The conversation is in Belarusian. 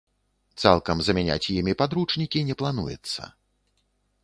Цалкам замяняць імі падручнікі не плануецца.